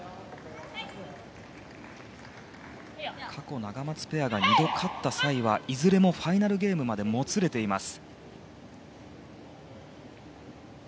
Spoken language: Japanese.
過去ナガマツペアが２度勝った際はいずれもファイナルゲームまでもつれています。